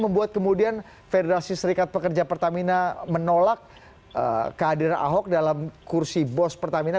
membuat kemudian federasi serikat pekerja pertamina menolak kehadiran ahok dalam kursi bos pertamina